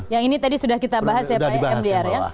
yang ini tadi sudah kita bahas ya pak ya mdr ya